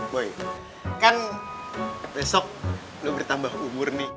boy kan besok lo bertambah umurni